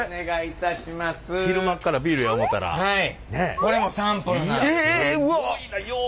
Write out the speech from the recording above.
これもサンプルなんです。